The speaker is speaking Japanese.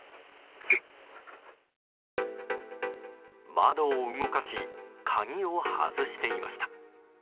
窓を動かし鍵を外していました。